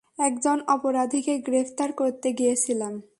একজন অপরাধীকে গ্রেফতার করতে গিয়েছিলাম।